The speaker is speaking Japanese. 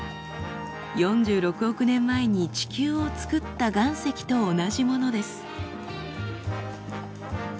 ４６億年前に地球を作った岩石と同じものです。